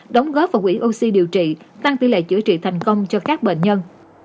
đóng góp vào quỹ oxy điều trị tăng tỷ lệ chữa trị thành công cho các bệnh nhân